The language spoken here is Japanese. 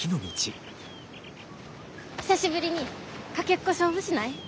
久しぶりにかけっこ勝負しない？